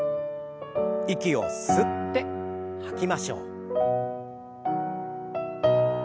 息を吸って吐きましょう。